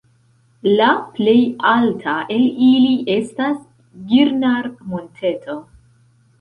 La plej alta el ili estas Girnar-Monteto.